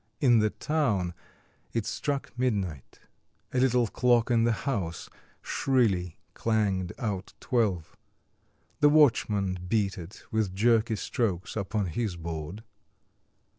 In the town it struck midnight; a little clock in the house shrilly clanged out twelve; the watchman beat it with jerky strokes upon his board.